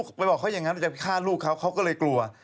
ไปบอกเขาอย่างนั้นจะไปฆ่าลูกเขาเขาก็เลยกลัว